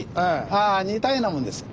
ああ似たようなもんです。